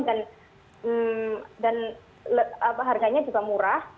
dan harganya juga murah